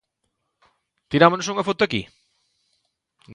Tíramonos unha foto aquí?